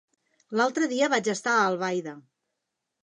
L'altre dia vaig estar a Albaida.